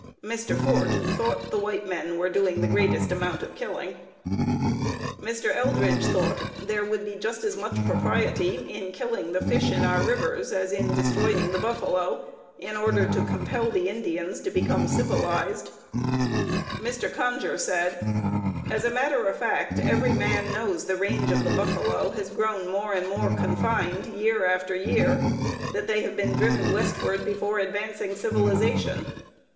Mr. Fort thought the white men were doing the greatest amount of killing. Mr. Eldridge thought there would be just as much propriety in killing the fish in our rivers as in destroying the buffalo in order to compel the Indians to become civilized. Mr. Conger said: "As a matter of fact, every man knows the range of the buffalo has grown more and more confined year after year; that they have been driven westward before advancing civilization."